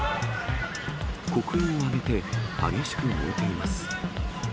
黒煙を上げて、激しく燃えています。